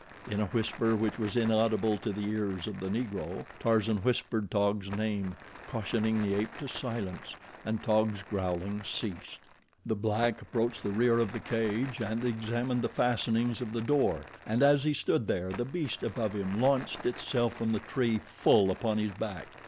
In a whisper which was inaudible to the ears of the Negro, Tarzan whispered Taug's name, cautioning the ape to silence, and Taug's growling ceased. The black approached the rear of the cage and examined the fastenings of the door, and as he stood there the beast above him launched itself from the tree full upon his back.